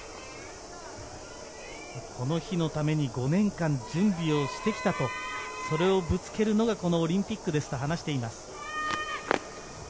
この日のために５年間準備してきたと、それをぶつけるのがこのオリンピックですと話しています。